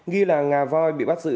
ghi là ngà voi bị bắt giữ